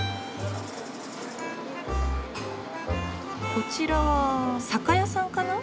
こちらは酒屋さんかな？